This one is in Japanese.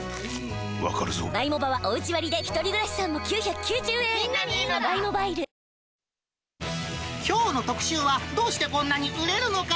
わかるぞきょうの特集は、どうしてこんなに売れるのか！